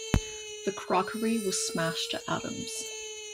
The crockery was smashed to atoms.